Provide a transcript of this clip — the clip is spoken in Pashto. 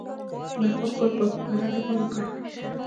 د نخود ګل د غږ لپاره وکاروئ